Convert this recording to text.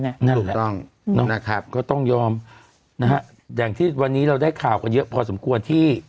นั่นแหละต้องยอมนะฮะแหละวันนี้เราได้ข่าวกันเยอะพอสมควรที่